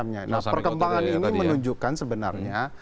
nah perkembangan ini menunjukkan sebenarnya